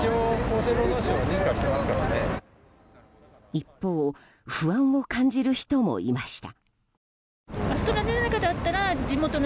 一方不安を感じる人もいました。